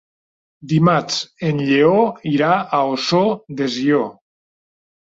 Dimarts en Lleó irà a Ossó de Sió.